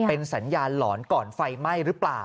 เป็นสัญญาณหลอนก่อนไฟไหม้หรือเปล่า